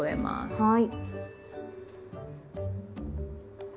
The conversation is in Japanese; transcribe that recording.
はい。